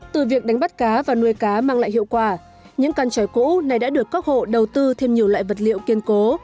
từ việc đánh bắt cá và nuôi cá mang lại hiệu quả những căn tròi cũ này đã được các hộ đầu tư thêm nhiều loại vật liệu kiên cố